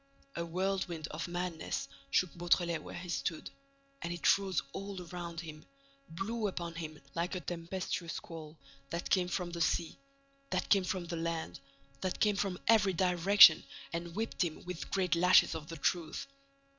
A whirlwind of madness shook Beautrelet where he stood. And it rose all around him, blew upon him like a tempestuous squall that came from the sea, that came from the land, that came from every direction and whipped him with great lashes of the truth.